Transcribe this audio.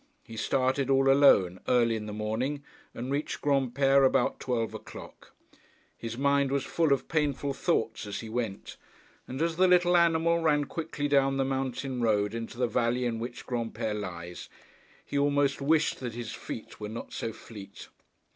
He started all alone, early in the morning, and reached Granpere about twelve o'clock. His mind was full of painful thoughts as he went, and as the little animal ran quickly down the mountain road into the valley in which Granpere lies, he almost wished that his feet were not so fleet.